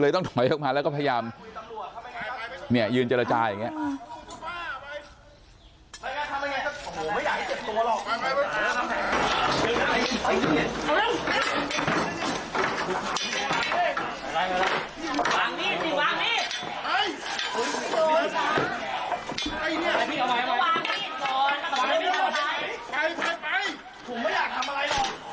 ต้องถอยออกมาแล้วก็พยายามเนี่ยยืนเจรจาอย่างนี้